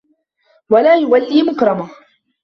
وَلَا يُوَلِّي مَكْرُمَةً